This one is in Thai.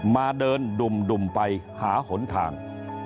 มาเดินดุ่มไปหาหนทาง